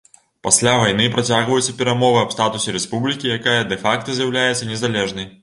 Пасля вайны працягваюцца перамовы аб статусе рэспублікі, якая дэ-факта з'яўляецца незалежнай.